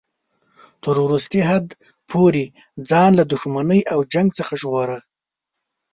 تر وروستي حد پورې ځان له دښمنۍ او جنګ څخه ژغوره.